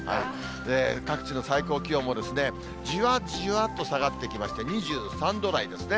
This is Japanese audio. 各地の最高気温もじわじわと下がってきまして、２３度台ですね。